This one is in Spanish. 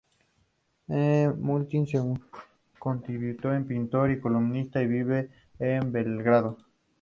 Milutin se convirtió en pintor y columnista, y vive en Belgrado.